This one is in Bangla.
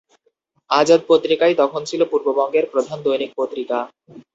আজাদ পত্রিকাই তখন ছিল পূর্ববঙ্গের প্রধান দৈনিক পত্রিকা।